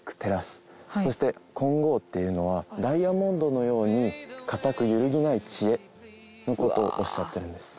そして金剛っていうのはダイヤモンドのように固く揺るぎない知恵の事をおっしゃってるんです。